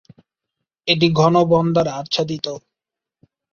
এটি ঘন বন দ্বারা আচ্ছাদিত।